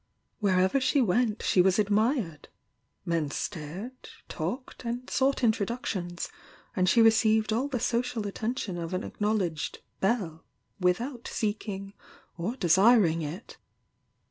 Wherever she went she was admired,— men stared, talked and sought introduc tions, and she received all the social attention of an acknowledged "belle" without seeking or desir ing it.